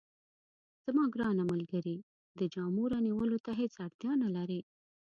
زما ګرانه ملګرې، د جامو رانیولو ته هیڅ اړتیا نه لرې.